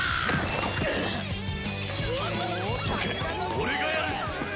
俺がやる！